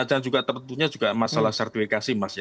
dan juga tentunya masalah sertifikasi mas